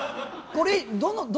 これ。